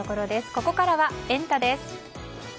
ここからはエンタ！です。